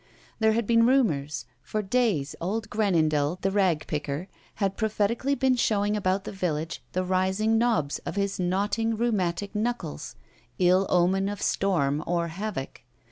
There had been rumors. For days old Genendel, the ragpicker, had prophetically been showing about the village the rising knobs of his knotting rheumatic knuckles, ill omen of storm or havoc.